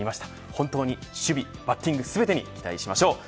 本当に守備、バッティング全てに期待しましょう。